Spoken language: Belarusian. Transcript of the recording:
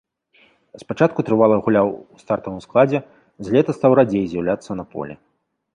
Спачатку трывала гуляў у стартавым складзе, з лета стаў радзей з'яўляцца на полі.